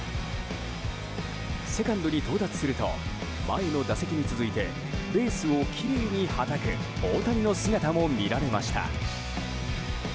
セカンドに到達すると前の打席に続いてベースをきれいにはたく大谷の姿も見られました。